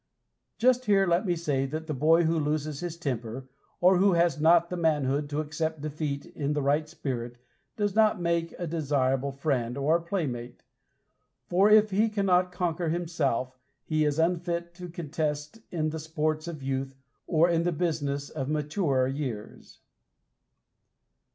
Just here let me say that the boy who loses his temper, or who has not the manhood to accept defeat in the right spirit, does not make a desirable friend or playmate, for if he cannot conquer himself he is unfit to contest in the sports of youth or in the business of maturer years.